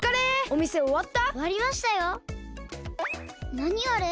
なにあれ！？